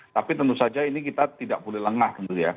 tapi tentu saja ini kita tidak boleh lengah